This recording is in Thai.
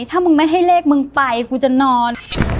ถ้ามึงไม่ให้เลขมึงไปกูจะนอน